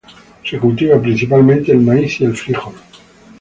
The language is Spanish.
Se cultiva principalmente el maíz y el frijol.